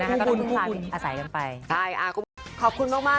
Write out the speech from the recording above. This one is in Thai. น้องไปเฟิร์นเรียกคุณโต๊ะก็ยาย